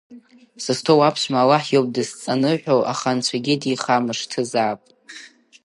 Сызҭоу аԥшәма Аллаҳ иоуп дызҵаныҳәо, аха Анцәагьы дихамышҭызаап!